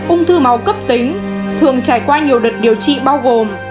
ung thư máu cấp tính thường trải qua nhiều đợt điều trị bao gồm